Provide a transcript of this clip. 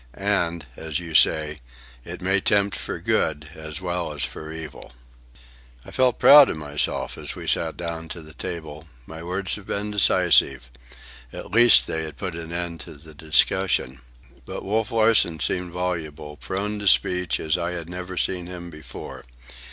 And, as you say, it may tempt for good as well as for evil." I felt proud of myself as we sat down to the table. My words had been decisive. At least they had put an end to the discussion. But Wolf Larsen seemed voluble, prone to speech as I had never seen him before.